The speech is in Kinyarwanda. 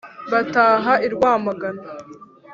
Bataha i Rwamagana :